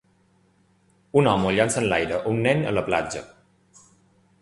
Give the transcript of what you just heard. Un home llança enlaire un nen a la platja.